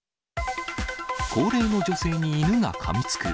高齢の女性に犬がかみつく。